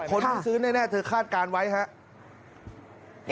คนที่ซื้อแน่เธอคาดการณ์ไว้ครับ